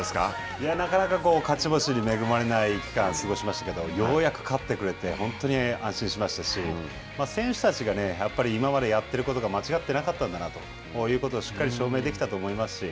いや、なかなか、勝ち星に恵まれない期間を過ごしましたけど、ようやく勝ってくれて、本当に安心しましたし、選手たちが、やっぱり今までやっていることが間違ってなかったんだなということをしっかり証明できたと思いますし。